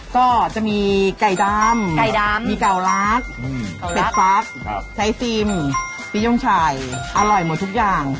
ก็จะมีไก่ดำไก่ดำมีเก่ารักเป็ดฟักใช้ฟิล์มปีย่องชัยอร่อยหมดทุกอย่าง